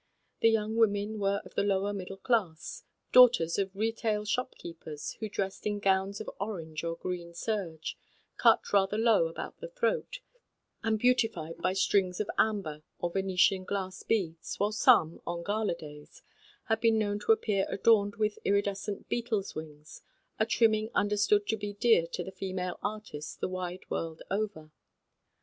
The young women were of the lower middle class ; daughters of retail shopkeepers, who dressed, as became their future career, in weird gowns of orange or green serge, cut rather low about the throat, and who were further beautified by strings of amber or Venetian glass beads, while some, on gala days, had been known to appear in gowns adorned with iridescent beetle's wings, a trimming which is sacred to the lady artist the wide world over.